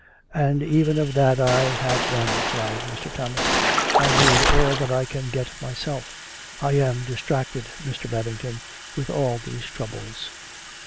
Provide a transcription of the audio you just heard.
" And even of that I have none," cried Mr. Thomas. " I need all that I can get myself. I am distracted, Mr. Bab ington, with all these troubles."